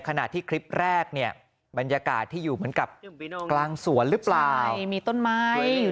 ขณะที่คลิปแรกเนี่ยบรรยากาศที่อยู่เหมือนกับกลางสวนต้นไม้อยู่